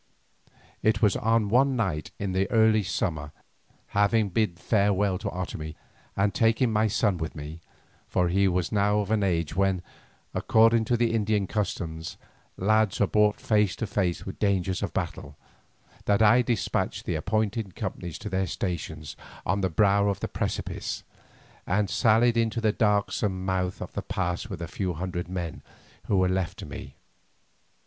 It was on one night in the early summer, having bid farewell to Otomie and taking my son with me, for he was now of an age when, according to the Indian customs, lads are brought face to face with the dangers of battle, that I despatched the appointed companies to their stations on the brow of the precipice, and sallied into the darksome mouth of the pass with the few hundred men who were left to me.